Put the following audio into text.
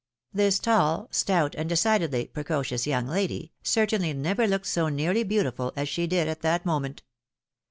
This tall, stout, and decidedly precocious young lady, cer ' tainly never looked so nearly beautiful as she did at that moment.